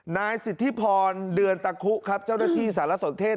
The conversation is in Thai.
นายสิทธิพรเดือนตะคุครับเจ้าหน้าที่สารสนเทศ